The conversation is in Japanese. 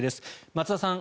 松田さん